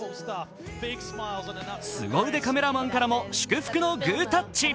すご腕カメラマンからも祝福のグータッチ。